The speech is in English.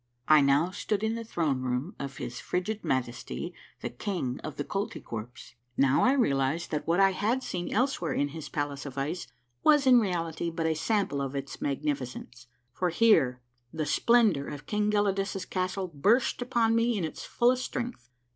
I now stood in the throne room of his frigid Majesty, the King of the Koltykwerps. Now I realized that what I had seen elsewhere in his palace of ice was in reality but a sample of its magnificence, for here the splendor of King Gelidus' castle burst upon me in its fullest strength.